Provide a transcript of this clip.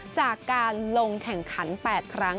จากการลงแข่งขัน๘ครั้ง